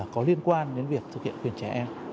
có liên quan đến việc thực hiện quyền trẻ em